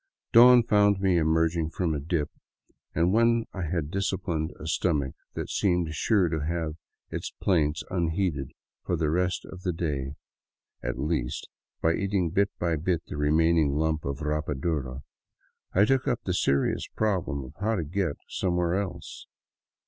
Dawn found me emerging from a dip, and when I had dis ciplined a stomach that seemed sure to have its plaints unheeded for the rest of the day at least by eating bit by bit the remaining lump of rapadura, I took up the serious problem of how to get somewhere else.